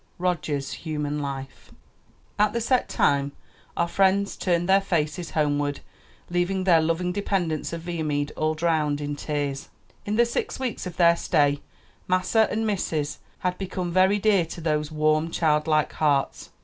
ROGERS' HUMAN LIFE. At the set time our friends turned their faces homeward, leaving their loving dependents of Viamede all drowned in tears. In the six weeks of their stay, "Massa" an' "Missus" had become very dear to those warm, childlike hearts.